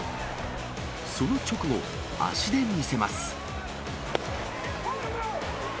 その直後、足で見せます。